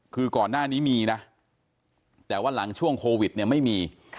คือก่อนหน้านี้มีนะแต่ว่าหลังช่วงโควิดเนี่ยไม่มี